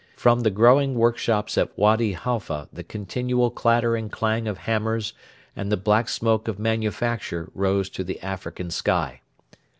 From the growing workshops at Wady Halfa the continual clatter and clang of hammers and the black smoke of manufacture rose to the African sky.